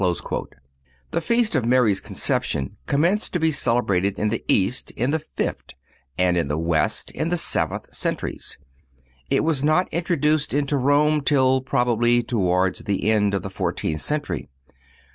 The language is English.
(240) The Feast of Mary's Conception commenced to be celebrated in the East in the fifth, and in the West in the seventh centuries. It was not introduced into Rome till probably towards the end of the fourteenth century.